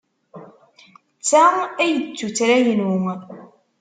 D ta ay d tuttra-inu.